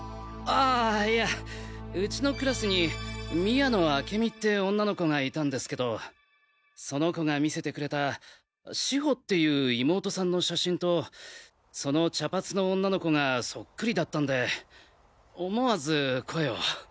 あいやウチのクラスに宮野明美って女の子がいたんですけどその子が見せてくれた志保っていう妹さんの写真とその茶髪の女の子がそっくりだったんで思わず声を。